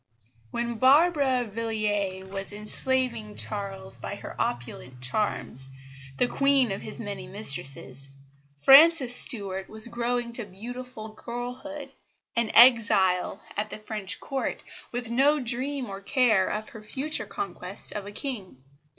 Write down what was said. When Barbara Villiers was enslaving Charles by her opulent charms, the queen of his many mistresses, Frances Stuart was growing to beautiful girlhood, an exile at the French Court, with no dream or care of her future conquest of a king.